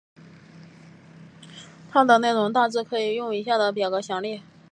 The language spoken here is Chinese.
它的内容大致可以用以下的表格详列。